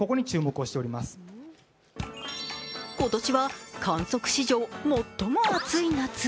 今年は観測史上最も暑い夏。